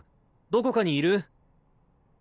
どこかにいる？